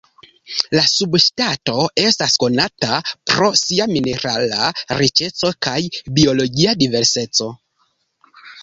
La subŝtato estas konata pro sia minerala riĉeco kaj biologia diverseco.